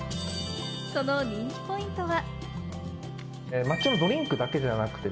その人気ポイントは。